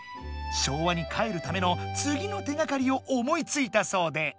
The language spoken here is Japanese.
昭和に帰るための次の手がかりを思いついたそうで。